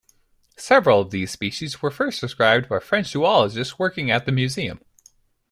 Several of these species were first described by French zoologists working at the Museum.